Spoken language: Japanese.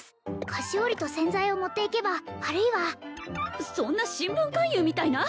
菓子折と洗剤を持っていけばあるいはそんな新聞勧誘みたいな！？